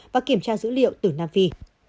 và kiểm tra dữ liệu từ nam phi